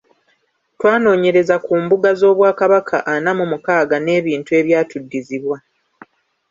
Twanoonyereza ku mbuga z’Obwakabaka ana mu mukaaga n’ebintu ebyatuddizibwa.